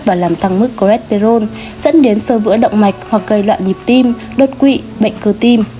và làm tăng mức cholesterol dẫn đến sơ vữa động mạch hoặc gây loạn nhịp tim đột quỵ bệnh cơ tim